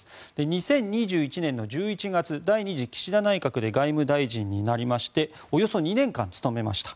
２０２１年の１１月第２次岸田内閣で外務大臣になりましておよそ２年間務めました。